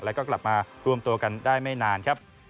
แล้วก็กลับมารวมตัวกันได้ไม่นานครับ